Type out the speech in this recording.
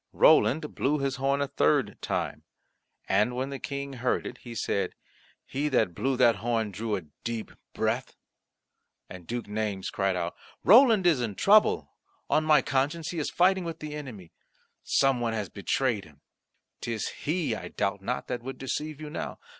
Roland blew his horn a third time, and when the King heard it he said, "He that blew that horn drew a deep breath." And Duke Naymes cried out, "Roland is in trouble; on my conscience he is fighting with the enemy. Some one has betrayed him; 'tis he, I doubt not, that would deceive you now.